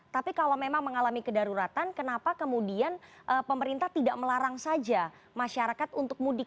tapi kalau memang mengalami kedaruratan kenapa kemudian pemerintah tidak melarang saja masyarakat untuk mudik